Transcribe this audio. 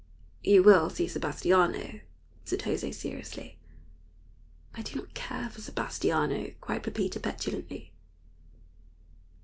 "You will see Sebastiano," said José, seriously. "I do not care for Sebastiano," cried Pepita, petulantly.